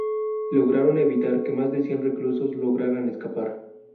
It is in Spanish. Lograron evitar que más de cien reclusos lograran escapar.